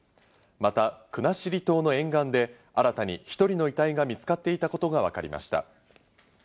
また国後島の沿岸で新たに１人の遺体が見つかっていたことがわかりました。